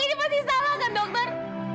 ini pasti salah kan dokter